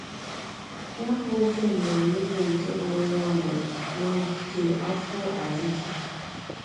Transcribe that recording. Ya bụ oke mmemme bụ nke weere ọnọdụ n'ogige Afor Adike